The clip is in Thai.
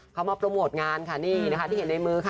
เขามาโปรโมทงานค่ะนี่นะคะที่เห็นในมือค่ะ